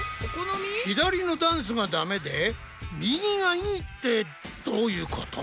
左のダンスがダメで右がいいってどういうこと？